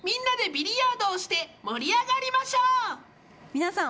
皆さん